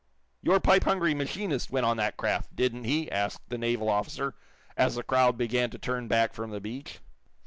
"Your pipe hungry machinist went on that craft, didn't he!" asked the naval officer, as the crowd began to turn back from the beach.